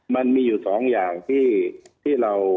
มันมีอยู่สองอย่างที่เรา